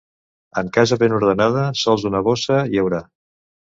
En casa ben ordenada, sols una bossa hi haurà.